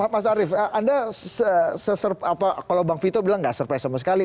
mas arief anda kalau bang vito bilang nggak surprise sama sekali